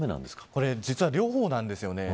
これ実は、両方なんです。